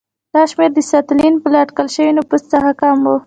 دا شمېر د ستالین له اټکل شوي نفوس څخه کم و.